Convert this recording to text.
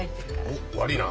おっ悪いな。